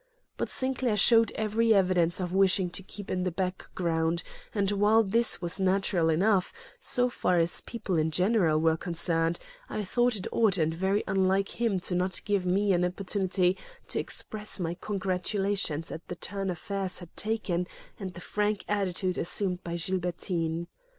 But Sinclair showed every evidence of wishing to keep in the background, and while this was natural enough, so far as people in general were concerned, I thought it odd and very unlike him not to give me an opportunity to express my congratulations at the turn affairs had taken and the frank attitude assumed by Gilbertine.